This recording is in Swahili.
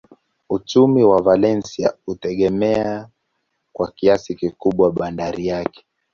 Uchumi wa Valencia hutegemea kwa kiasi kikubwa bandari yake.